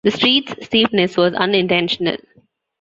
The street's steepness was unintentional.